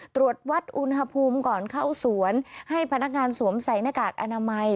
ตรวจวัดอุณหภูมิก่อนเข้าสวนให้พนักงานสวมใส่หน้ากากอนามัย